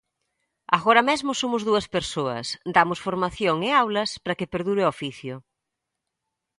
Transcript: Agora mesmo somos dúas persoas, damos formación e aulas para que perdure o oficio.